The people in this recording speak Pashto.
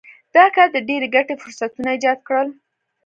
دا کار د ډېرې ګټې فرصتونه ایجاد کړل.